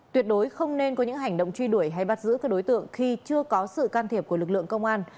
tuyệt đối không nên có những hành động truy đuổi hay bắt giữ các đối tượng khi chưa có sự can thiệp của lực lượng công an